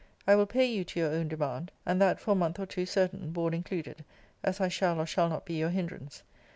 I will pay you to your own demand; and that for a month or two certain, (board included,) as I shall or shall not be your hindrance.